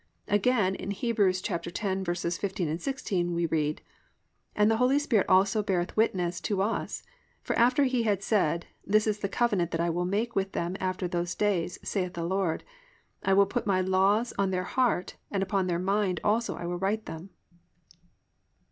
Again in Heb. 10:15, 16, we read: +"And the Holy Spirit also beareth witness to us; for after He had said, This is the covenant that I will make with them after those days, saith the Lord: I will put my laws on their heart, and upon their mind also will I write them."